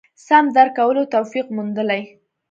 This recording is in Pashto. سم درک کولو توفیق موندلي.